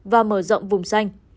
và mở rộng vùng xanh